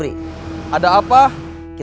tidak dapat menyentuh